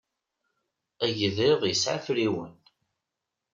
Agḍiḍ yesɛa afriwen.